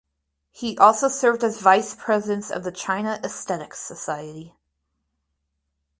He also served as Vice President of the China Aesthetics Society.